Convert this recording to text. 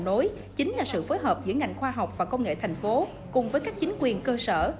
đối với phần vốn đối chính là sự phối hợp giữa ngành khoa học và công nghệ thành phố cùng với các chính quyền cơ sở